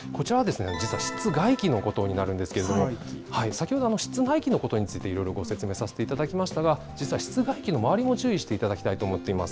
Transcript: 実は室外機のことになるんですけれども、先ほど、室内機のことについて、いろいろご説明させていただきましたが、実は室外機の周りも注意していただきたいと思っています。